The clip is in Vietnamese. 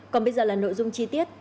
còn bây giờ là nội dung chi tiết